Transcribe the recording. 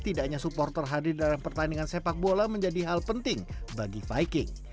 tidaknya supporter hadir dalam pertandingan sepak bola menjadi hal penting bagi viking